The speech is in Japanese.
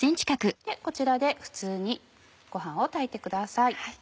こちらで普通にご飯を炊いてください。